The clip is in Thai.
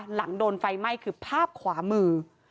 หลังโดนไฟไหม้คือภาพขวามือ